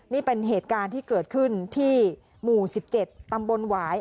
นี่เป็นเหตุการณ์ที่เกิดขึ้นที่หมู่๑๗ตำบลหวาย